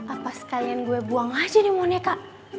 apa sekalian gue buang aja di moneka